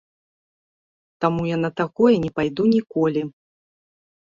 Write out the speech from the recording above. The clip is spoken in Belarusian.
Таму я на такое не пайду ніколі.